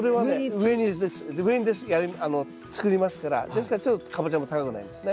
上に作りますからですからちょっとカボチャも高くなりますね。